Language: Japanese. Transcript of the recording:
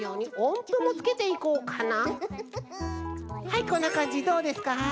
はいこんなかんじどうですか？